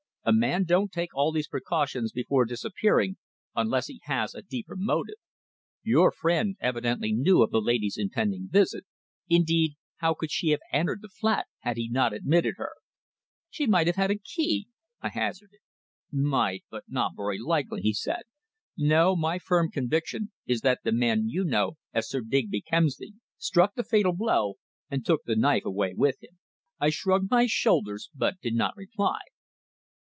"A man don't take all these precautions before disappearing unless he has a deeper motive. Your friend evidently knew of the lady's impending visit. Indeed, how could she have entered the flat had he not admitted her?" "She might have had a key," I hazarded. "Might but not very likely," he said. "No, my firm conviction is that the man you know as Sir Digby Kemsley struck the fatal blow, and took the knife away with him." I shrugged my shoulders, but did not reply.